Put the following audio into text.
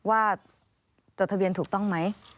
จดทะเบียนถูกต้องไหม